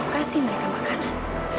kasih mereka makanan